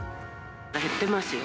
減ってますよ。